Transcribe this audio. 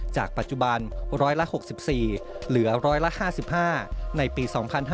จากปัจจุบันร้อยละ๖๔เหลือร้อยละ๕๕ในปี๒๕๖๓